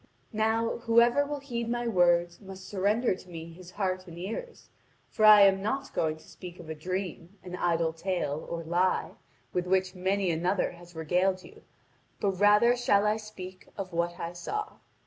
Now, whoever will heed my words, must surrender to me his heart and ears, for I am not going to speak of a dream, an idle tale, or lie, with which many another has regaled you, but rather shall I speak of what I saw."